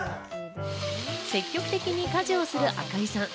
積極的に家事をする赤井さん。